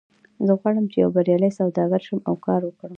زه غواړم چې یو بریالی سوداګر شم او کار وکړم